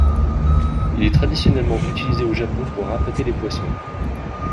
Il est traditionnellement utilisé au Japon pour appâter les poissons.